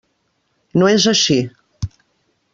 No és així.